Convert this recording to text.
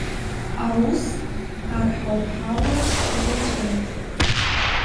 Аус арҳауҳаура ҳзеицәоуп.